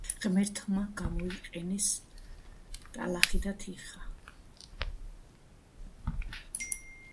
ადამიანის შექმნის პირველი მცდელობისას ღმერთებმა გამოიყენეს ტალახი და თიხა.